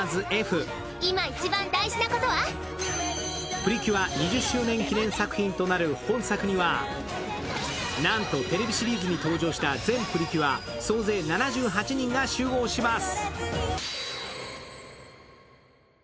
プリキュア２０周年記念作品となる本作にはなんとテレビシリーズに登場した全プリキュア総勢７８人が集合します。